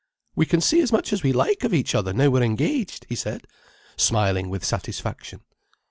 "We can see as much as we like of each other now we're engaged," he said, smiling with satisfaction.